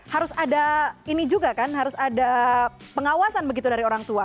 harus ada ini juga kan harus ada pengawasan begitu dari orang tua